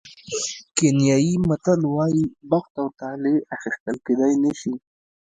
کینیايي متل وایي بخت او طالع اخیستل کېدای نه شي.